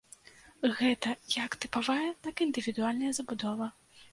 Гэта як тыпавая, так і індывідуальная забудова.